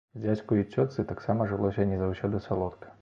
Дзядзьку і цётцы таксама жылося не заўсёды салодка.